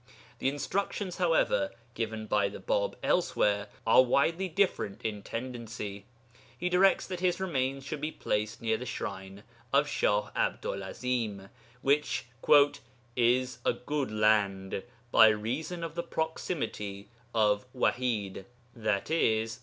The instructions, however, given by the Bāb elsewhere are widely different in tendency. He directs that his remains should be placed near the shrine of Shah 'Abdu'l 'Azim, which 'is a good land, by reason of the proximity of Wahid (i.e.